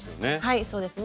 はいそうですね。